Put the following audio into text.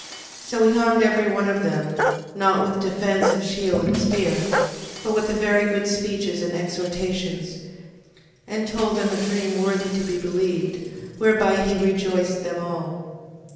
15:11. So he armed every one of them, not with defence of shield and spear, but with very good speeches, and exhortations, and told them a dream worthy to be believed, whereby he rejoiced them all.